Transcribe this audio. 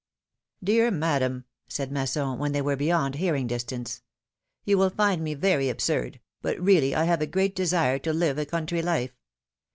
'T^EAR Madame/^ said Masson, when they w^re beyond hearing distance, '^yoii will find me very absurd, but really 1 have a great desire to live a country life.